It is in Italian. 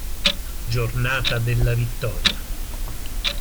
Giornata della vittoria